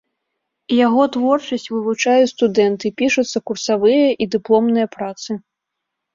Яго творчасць вывучаюць студэнты, пішуцца курсавыя і дыпломныя працы.